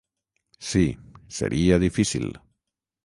Sí, seria difícil.